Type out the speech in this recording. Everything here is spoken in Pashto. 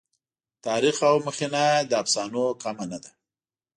تاریخ او مخینه یې له افسانو کمه نه ده.